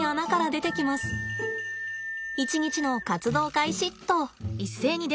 一日の活動開始と。